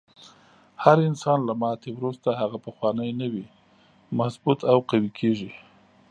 هر انسان له ماتې وروسته هغه پخوانی نه وي، مضبوط او قوي کیږي.